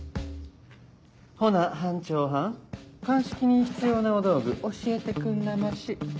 ほな班長はん鑑識に必要なお道具教えてくんなまし。